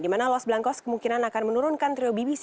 dimana los blancos kemungkinan akan menurunkan trio bbc